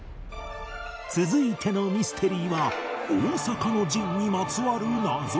続いてのミステリーは大坂の陣にまつわる謎から